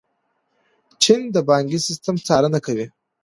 چین د بانکي سیسټم څارنه کوي.